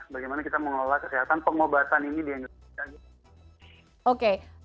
bagaimana kita mengelola kesehatan pengobatan ini di indonesia